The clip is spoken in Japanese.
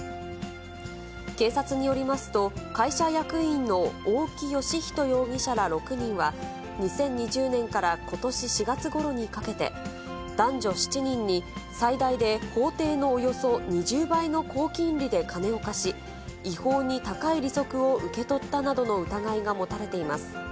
警察によりますと、会社役員の大木美仁容疑者ら６人は、２０２０年からことし４月ごろにかけて、男女７人に最大で法定のおよそ２０倍の高金利で金を貸し、違法に高い利息を受け取ったなどの疑いが持たれています。